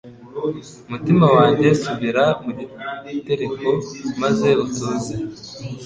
Mutima wanjye subira mu gitereko maze utuze